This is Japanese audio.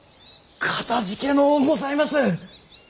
かたじけのうございます！